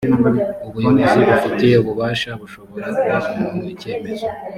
ubuyobozi bubifitiye ububasha bushobora guha umuntu icyemezo